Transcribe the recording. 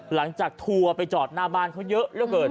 หลังจากทัวร์ไปจอดหน้าบานเขาเยอะเยอะเกิน